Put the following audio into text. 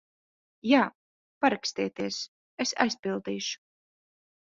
Jā. Parakstieties, es aizpildīšu.